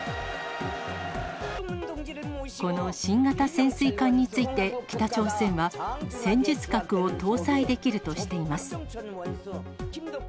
この新型潜水艦について、北朝鮮は、戦術核を搭載できるとしています。